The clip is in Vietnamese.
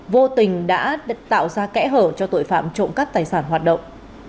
vô tình đã tạo ra kẽ hở cho tội phạm trộm cắp tài sản hoạt động